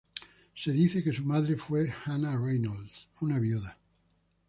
Se dice que su madre fue Hannah Reynolds, una viuda.